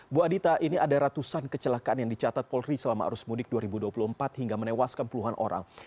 bu adita ini ada ratusan kecelakaan yang dicatat polri selama arus mudik dua ribu dua puluh empat hingga menewaskan puluhan orang